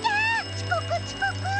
ちこくちこく！」。